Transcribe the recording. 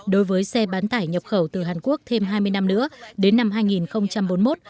đối với xe bán tải nhập khẩu từ hàn quốc thêm hai mươi năm nữa đến năm hai nghìn bốn mươi một